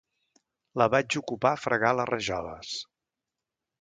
La vaig ocupar a fregar les rajoles.